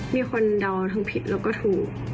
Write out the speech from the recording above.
มีคนเดาทั้งผิดแล้วก็ถูก